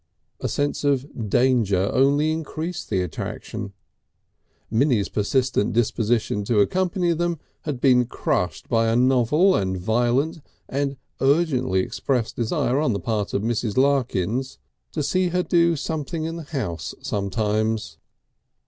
A sense of danger only increased the attraction. Minnie's persistent disposition to accompany them had been crushed by a novel and violent and urgently expressed desire on the part of Mrs. Larkins to see her do something in the house sometimes....